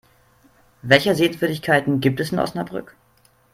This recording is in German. Welche Sehenswürdigkeiten gibt es in Osnabrück?